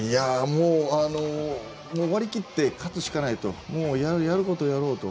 もう割り切って勝つしかないともう、やることをやろうと。